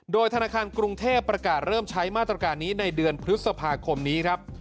โดยธนาคารกรุงเทพประกาศเริ่มใช้มาตรการนี้ในเดือนพฤษภาคมนี้ครับ